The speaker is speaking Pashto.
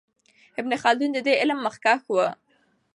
ابن خلدون د دې علم مخکښ و.